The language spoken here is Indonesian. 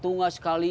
tunggu di sini